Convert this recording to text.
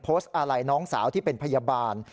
โพสต์อะไรน้องสาวที่เป็นพยาบาล